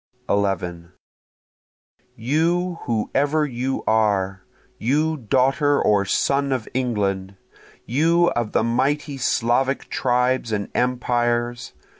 11 You whoever you are! You daughter or son of England! You of the mighty Slavic tribes and empires!